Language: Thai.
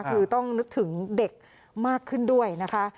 คือต้องนึกถึงเด็กมากขึ้นด้วยนะคะ